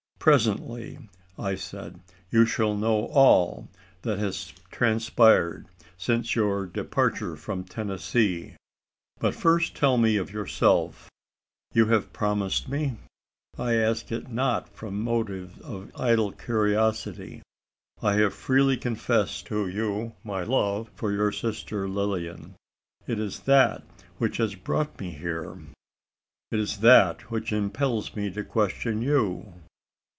"Presently," I said, "you shall know all that has transpired since your departure from Tennessee. But first tell me of yourself. You have promised me? I ask it not from motives of idle curiosity. I have freely confessed to you my love for your sister Lilian. It is that which has brought me here it is that which impels me to question you."